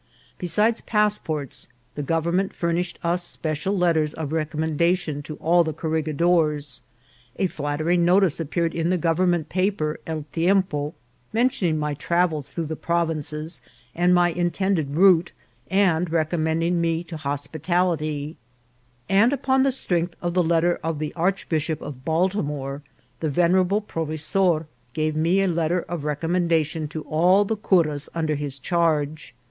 Besides pass ports, the government furnished us special letters of rec ommendation to all the corregidors ; a flattering notice appeared in the government paper, El Tiempo, men tioning my travels through the provinces and my intend ed route, and recommending me to hospitality ; and, upon the strength of the letter of the Archbishop of Bal timore, the venerable provesor gave me a letter of rec ommendation to all the curas under his charge.